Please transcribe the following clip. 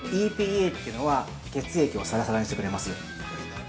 ＥＰＡというのは血液をさらさらにしてくれます。